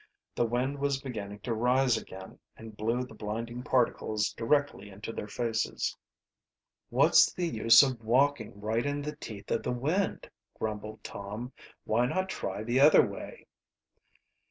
The wind was beginning to rise again and blew the blinding particles directly into their faces. "What's the use of walking right in the teeth of the wind," grumbled Tom. "Why not try the other way?"